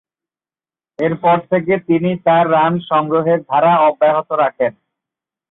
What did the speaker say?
এরপর থেকে তিনি তার রান সংগ্রহের ধারা অব্যাহত রাখেন।